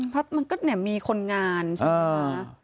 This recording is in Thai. เพราะมันก็เนี่ยมีคนงานใช่ไหมคะ